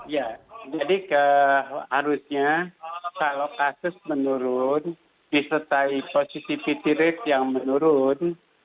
ya jadi harusnya kalau kasus menurun disertai positivity rate yang menurun